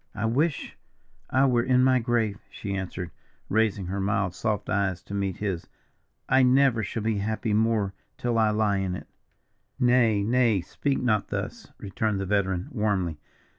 "I wish I were in my grave," she answered, raising her mild, soft eyes to meet his. "I never shall be happy more till I lie in it." "Nay, lady, speak not thus," returned the veteran, warmly.